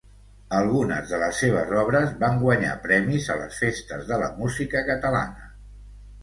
Algunes de les seves obres van guanyar premis a les Festes de la música catalana.